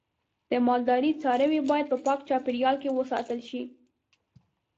د مالدارۍ څاروی باید په پاک چاپیریال کې وساتل شي.